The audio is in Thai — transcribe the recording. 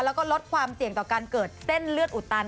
แล้วก็ลดความเสี่ยงต่อการเกิดเส้นเลือดอุดตัน